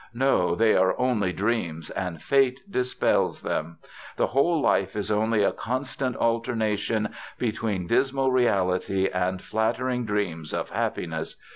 No, they are only dreams, and Fate dispels them. The whole of life is only a constant alternation between dismal reality and flattering dreams of happiness.